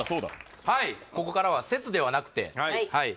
はいここからは説ではなくてはい